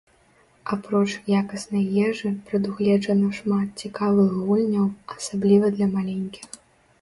Апроч якаснай ежы прадугледжана шмат цікавых гульняў, асабліва для маленькіх.